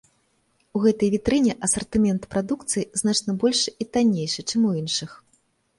У гэтай вітрыне асартымент прадукцыі значна большы і таннейшы, чым у іншых.